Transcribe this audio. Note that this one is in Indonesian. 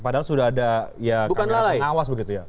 lalu sudah ada ya pengawas begitu ya